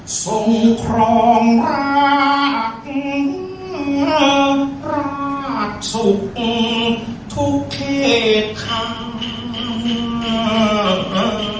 ทรงพร้อมรักรักทุกข์ทุกข์เขตข้าง